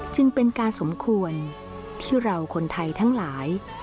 จึงเป็นการสมควรที่เราคนไทยทั้งหลาย